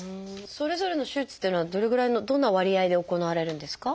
それぞれの手術というのはどれぐらいのどんな割合で行われるんですか？